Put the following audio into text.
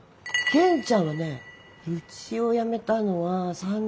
元ちゃんはねうちを辞めたのは３年前かな。